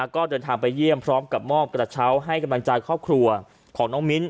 ก็เดินทางไปเยี่ยมพร้อมกับมอบกระเช้าให้กำลังใจครอบครัวของน้องมิ้น